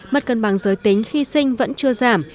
mất cân bằng giới tính khi sinh vẫn chưa giảm